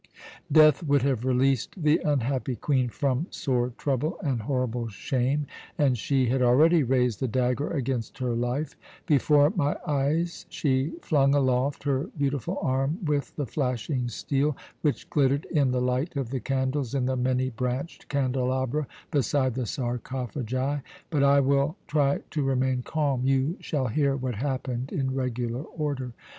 "Death would have released the unhappy Queen from sore trouble and horrible shame. And she had already raised the dagger against her life. Before my eyes she flung aloft her beautiful arm with the flashing steel, which glittered in the light of the candles in the many branched candelabra beside the sarcophagi. But I will try to remain calm! You shall hear what happened in regular order.